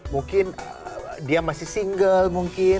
mungkin dia masih single mungkin